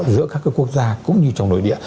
giữa các quốc gia cũng như trong nội địa